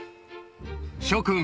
諸君！